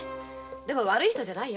でも悪い人じゃない。